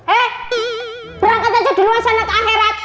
eh berangkat aja dulu asal nak akhirat